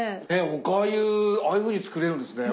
おかゆああいうふうに作れるんですね。